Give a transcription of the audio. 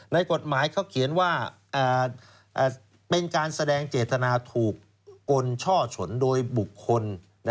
ในกฎหมายเขาเขียนว่าเป็นการแสดงเจตนาถูกกลช่อฉนโดยบุคคล